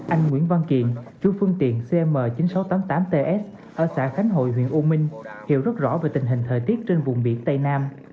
anh nguyễn văn kiền chủ phương tiện cm chín nghìn sáu trăm tám mươi tám ts ở xã khánh hội huyện u minh hiểu rất rõ về tình hình thời tiết trên vùng biển tây nam